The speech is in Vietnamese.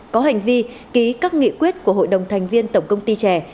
có hành vi ký các nghị quyết của hội đồng thành viên tổng công ty trẻ